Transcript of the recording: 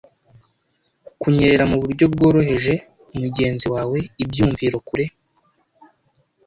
Kunyerera mu buryo bworoheje mugenzi wawe-ibyumviro kure,